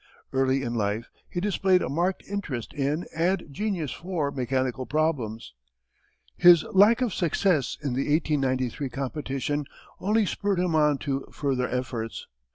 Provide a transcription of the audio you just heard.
Early in life he displayed a marked interest in and genius for mechanical problems. His lack of success in the 1893 competition only spurred him on to further efforts.